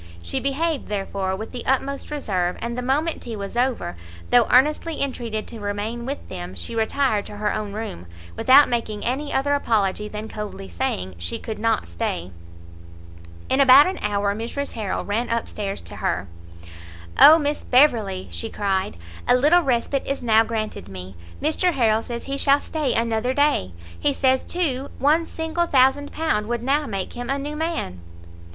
She behaved, therefore, with the utmost reserve, and the moment tea was over, though earnestly entreated to remain with them, she retired to her own room, without making any other apology than coldly saying she could not stay. In about an hour Mrs Harrel ran up stairs to her. "Oh Miss Beverley," she cried, "a little respite is now granted me! Mr Harrel says he shall stay another day; he says, too, one single thousand pound would now make him a new man."